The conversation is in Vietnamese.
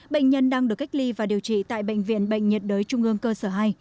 bệnh nhân đang được cách ly và điều trị tại bệnh viện bệnh nhiệt đới trung ương cơ sở hai